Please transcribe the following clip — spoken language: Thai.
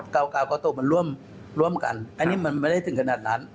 กากาโตะมันร่วมกันอันนี้มันไม่ได้ถึงขนาดนั้น